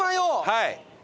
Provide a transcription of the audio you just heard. はい。